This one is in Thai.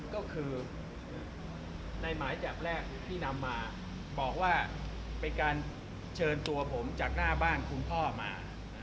ก็คือในหมายจับแรกที่นำมาบอกว่าเป็นการเชิญตัวผมจากหน้าบ้านคุณพ่อมา